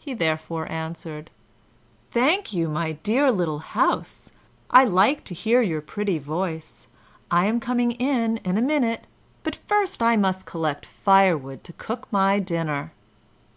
He therefore answered: "Thank you, my dear little house. I like to hear your pretty voice. I am coming in in a minute, but first I must collect firewood to cook my dinner."